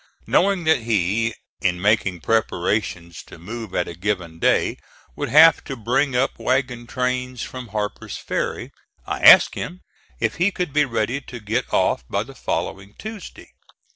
Knowing that he, in making preparations to move at a given day, would have to bring up wagons trains from Harper's Ferry, I asked him if he could be ready to get off by the following Tuesday.